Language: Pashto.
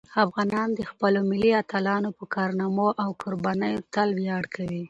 افغانان د خپلو ملي اتلانو په کارنامو او قربانیو تل ویاړ کوي.